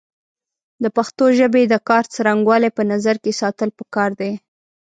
د پښتو ژبې د کار څرنګوالی په نظر کې ساتل پکار دی